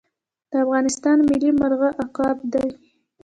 د افغانستان ملي مرغه عقاب دی